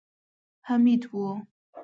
حميد و.